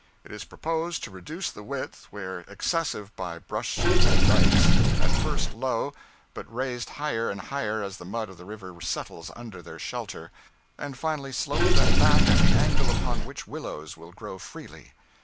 It is proposed to reduce the width where excessive by brushwood dykes, at first low, but raised higher and higher as the mud of the river settles under their shelter, and finally slope them back at the angle upon which willows will grow freely.